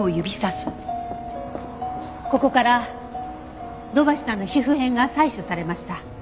ここから土橋さんの皮膚片が採取されました。